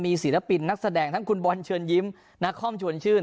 ศิลปินนักแสดงทั้งคุณบอลเชิญยิ้มนักคอมชวนชื่น